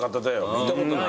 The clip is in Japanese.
見たことない。